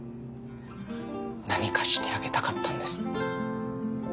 何かしてあげたかったんです。